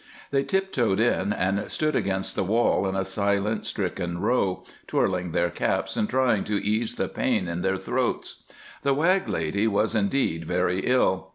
They tiptoed in and stood against the wall in a silent, stricken row, twirling their caps and trying to ease the pain in their throats. The Wag lady was indeed very ill.